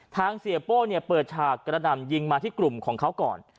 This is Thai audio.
เสียโป้เปิดฉากกระหน่ำยิงมาที่กลุ่มของเขาก่อน